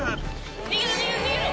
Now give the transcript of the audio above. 逃げろ逃げろ逃げろ！